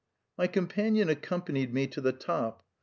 My companion accompanied me to the top.